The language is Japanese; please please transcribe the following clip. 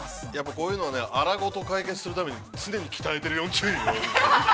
◆こういうのは荒事を解決するために、常に鍛えている４０人。